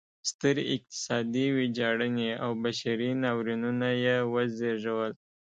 سترې اقتصادي ویجاړنې او بشري ناورینونه یې وزېږول.